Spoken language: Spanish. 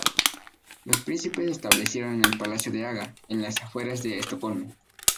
Los príncipes se establecieron en el Palacio de Haga, en las afueras de Estocolmo.